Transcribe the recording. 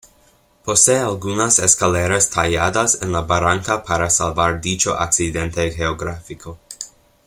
Posee algunas escaleras talladas en la barranca para salvar dicho accidente geográfico.